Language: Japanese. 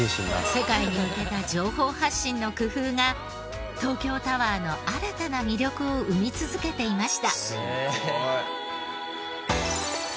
世界に向けた情報発信の工夫が東京タワーの新たな魅力を生み続けていました。